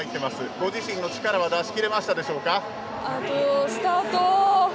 ご自身の力は出し切れましたでしょうか。